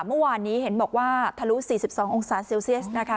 เมื่อวานนี้เห็นบอกว่าทะลุ๔๒องศาเซลเซียสนะคะ